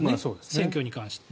選挙に関して。